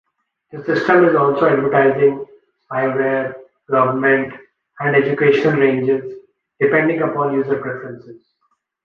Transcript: The system is also advertising, spyware, government and educational ranges, depending upon user preferences.